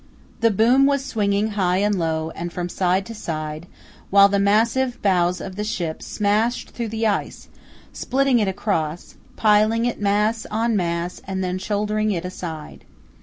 The boom was swinging high and low and from side to side, while the massive bows of the ship smashed through the ice, splitting it across, piling it mass on mass and then shouldering it aside.